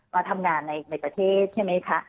มาทำงานในประเทศใช่ไหมคะ